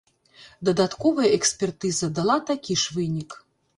Дадатковая экспертыза дала такі ж вынік.